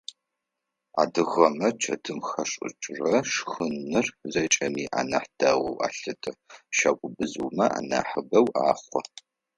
Адыгэмэ чэтым хашӏыкӏырэ шхыныр зэкӏэми анахь дэгъоу алъытэ, щагубзыумэ анахьыбэу ахъу.